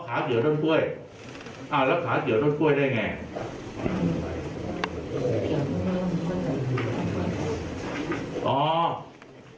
ขาเกี่ยวต้นกล้วยอ้าวแล้วขาเกี่ยวต้นกล้วยได้ไง